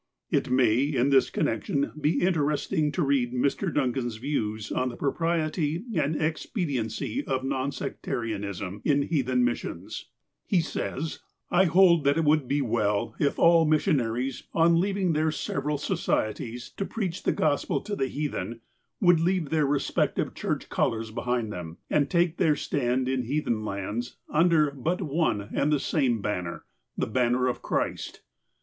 It may, in this connection, be interesting to read Mr. Duncau's views on the propriety and expediency of non sectarianism in heathen missions. He says : 358 H <;< H < u X u H o 2 H THE "CHRISTIAN CHURCH" 359 "I hold that it would be well if all missionaries, on leaving their several societies to preach the Gospel to the heathen, would leave their respective church colours behind them, and take their stand in heathen lands under but one and the same banner — the banner of Christ.